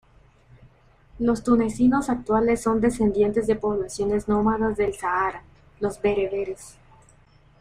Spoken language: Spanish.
Los tunecinos actuales son descendientes de poblaciones nómadas del Sahara, los bereberes.